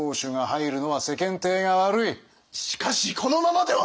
しかしこのままでは！